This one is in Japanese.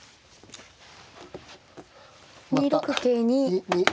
２六桂に。